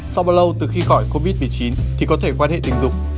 sau bao lâu từ khi khỏi covid một mươi chín thì có thể quan hệ tình dục